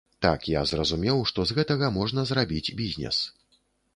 Так я зразумеў, што з гэтага можна зрабіць бізнес.